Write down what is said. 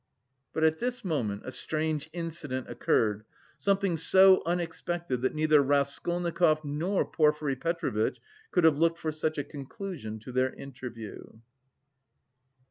But at this moment a strange incident occurred, something so unexpected that neither Raskolnikov nor Porfiry Petrovitch could have looked for such a conclusion to their interview.